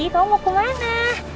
kamu mau kemana